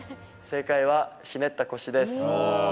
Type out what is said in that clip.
正解は、ひねった腰です。